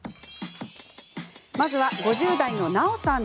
まずは、５０代のなおさん。